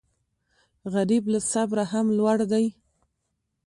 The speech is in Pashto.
غریب له صبره هم لوړ دی